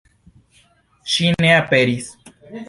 Ŝi ne aperis.